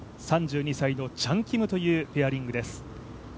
３２歳のチャン・キムというペアリングです。